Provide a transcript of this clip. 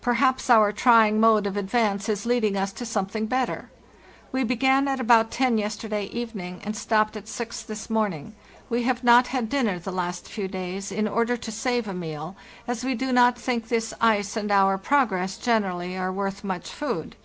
Perhaps our trying mode of advance is leading us to something better. We began at about ten yesterday evening, and stopped at six this morning. We have not had dinner the last few days, in order to save a meal, as we do not think this ice and our progress generally are worth much food.